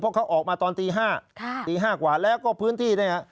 เพราะเขาออกมาตอนตี๕ตี๕กว่าแล้วก็พื้นที่เนี่ย